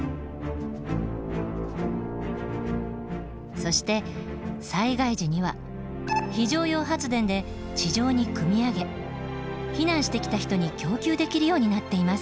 そして災害時には非常用発電で地上にくみ上げ避難してきた人に供給できるようになっています。